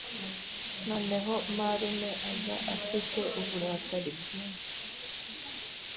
noneho marume aza afite uburakari bwinshi